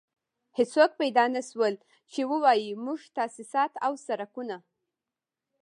هېڅوک پيدا نه شول چې ووايي موږ تاسيسات او سړکونه.